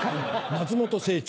松本清張。